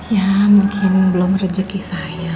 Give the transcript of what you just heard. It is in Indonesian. ya mungkin belum rezeki saya